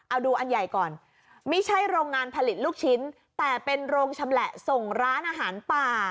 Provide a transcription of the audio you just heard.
เอาดูอันใหญ่ก่อนไม่ใช่โรงงานผลิตลูกชิ้นแต่เป็นโรงชำแหละส่งร้านอาหารป่า